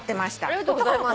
ありがとうございます。